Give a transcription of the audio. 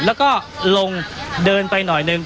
แล้วก็ลงเดินไปหน่อยหนึ่ง